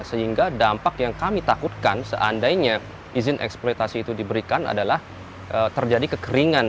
sehingga dampak yang kami takutkan seandainya izin eksploitasi itu diberikan adalah terjadi kekeringan